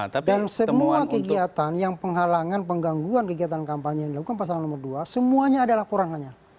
dan semua kegiatan yang penghalangan penggangguan kegiatan kampanye yang dilakukan pasangan nomor dua semuanya ada laporan lainnya